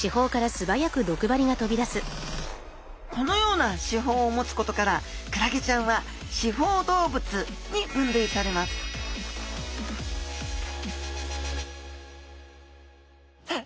このような刺胞を持つことからクラゲちゃんは刺胞動物に分類されますさあ